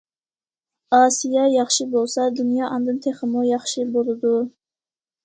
ئاسىيا ياخشى بولسا، دۇنيا ئاندىن تېخىمۇ ياخشى بولىدۇ.